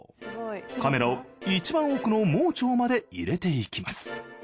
カメラを一番奥の盲腸まで入れていきます。